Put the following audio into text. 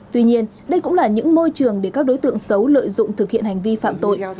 tuy nhiên đây cũng là những môi trường để các đối tượng xấu lợi dụng thực hiện hành vi phạm tội